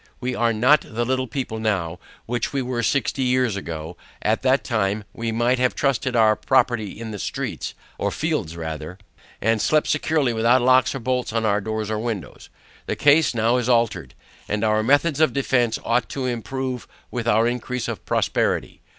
We are not the little people now, which we were sixty years ago; at that time we might have trusted our property in the streets, or fields rather; and slept securely without locks or bolts to our doors or windows. The case now is altered, and our methods of defence, ought to improve with our increase of property.